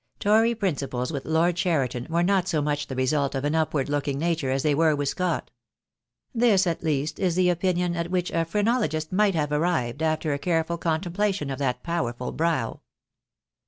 Tory principles with Lord Cheriton were not so much the result of an upward looking nature as they were with Scott. This, at least, is the opinion at which a phreno logist might have arrived after a careful contemplation of that powerful brow.